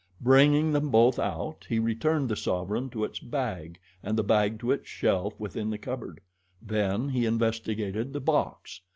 Bringing them both out he returned the sovereign to its bag and the bag to its shelf within the cupboard; then he investigated the box.